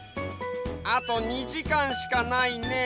あと２じかんしかないね。